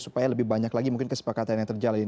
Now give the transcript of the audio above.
supaya lebih banyak lagi mungkin kesepakatan yang terjalin